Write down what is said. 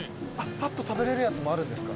パッと食べられるやつもあるんですか。